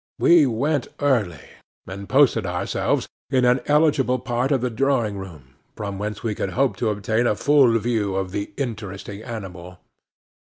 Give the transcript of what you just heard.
We went early, and posted ourselves in an eligible part of the drawing room, from whence we could hope to obtain a full view of the interesting animal.